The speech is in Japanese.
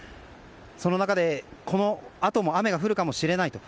その中で、このあとも雨が降るかもしれないと。